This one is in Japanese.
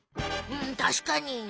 うんたしかに。